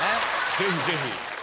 ぜひぜひ。